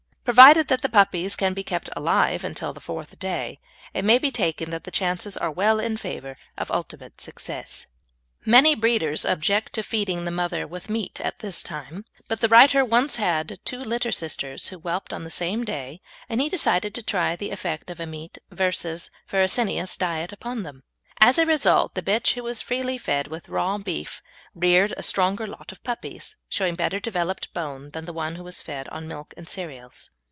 Provided that the puppies can be kept alive until the fourth day, it may be taken that the chances are well in favour of ultimate success. [Illustration: MR. AND MRS. ARTHUR MAYOR'S BULLDOG CH. SILENT DUCHESS] Many breeders object to feeding the mother with meat at this time, but the writer once had two litter sisters who whelped on the same day, and he decided to try the effect of a meat versus farinaceous diet upon them. As a result the bitch who was freely fed with raw beef reared a stronger lot of puppies, showing better developed bone, than did the one who was fed on milk and cereals.